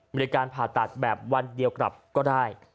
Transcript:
บริการผ่าตัดแบบวันเดียวกลับก็ได้